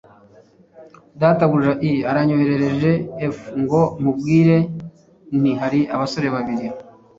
Databuja e aranyohereje f ngo nkubwire nti hari abasore babiri